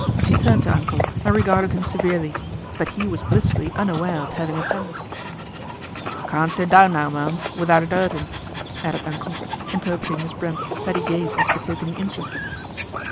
She turned to Uncle and regarded him severely ; but he was blissfully unaware of having offended. " Can't sit down now. mum. without it 'urtin ' added Uncle, interpreting Miss Brent's steady gaze as betokening interest.